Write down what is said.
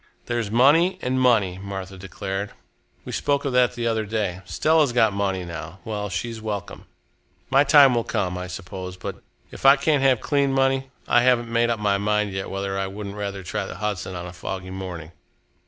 "There's money and money," Martha declared. "We spoke of that the other day. Stella's got money now. Well, she's welcome. My time will come, I suppose, but if I can't have clean money, I haven't made up my mind yet whether I wouldn't rather try the Hudson on a foggy morning."